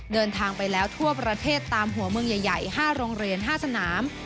เดินทางไปแล้วทั่วประเทศตามหัวเมืองใหญ่๕โรงเรียน๕สนาม